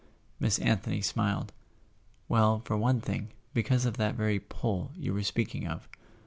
Miss Anthony smiled. "Well, for one thing, because of that very 'pull' you were speaking of."